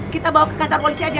kita bawa ke kantor polisi aja